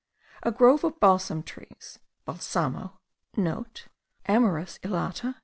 A grove of balsam trees (balsamo* (* Amyris elata.))